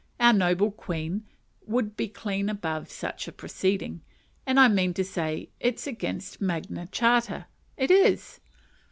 Our noble Queen would be clean above such a proceeding; and I mean to say it's against Magna Charta, it is!